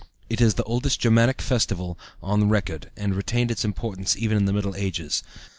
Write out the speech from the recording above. It is the oldest Germanic festival on record, and retained its importance even in the Middle Ages.